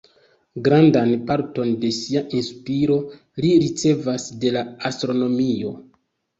Grandan parton de sia inspiro li ricevas de la astronomio.